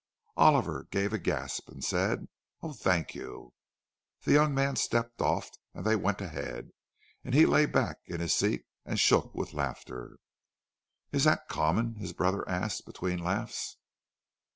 And Oliver gave a gasp, and said, "Oh! Thank you!" The young man stepped off, and they went ahead, and he lay back in his seat and shook with laughter. "Is that common?" his brother asked, between laughs.